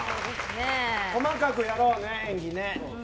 細かくやろうね、演技ね。